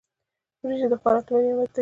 وريجي د خوراک لوی نعمت دی.